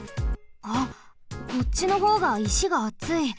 あっこっちのほうがいしがあつい。